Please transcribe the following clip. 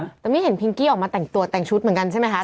แต่ไม่เห็นพิงกี้ออกมาแต่งตัวแต่งชุดเหมือนกันใช่ไหมคะ